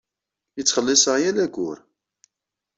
Yettxelliṣ-aɣ yal ayyur.